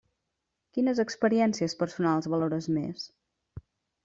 Quines experiències personals valores més?